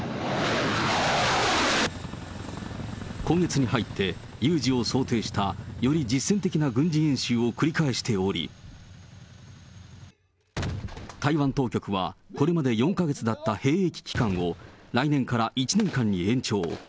今月に入って有事を想定したより実戦的な軍事演習を繰り返しており、台湾当局はこれまで４か月だった兵役期間を、来年から１年間に延長。